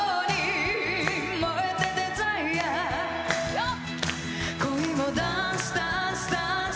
よっ！